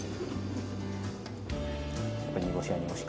やっぱ煮干しは煮干し。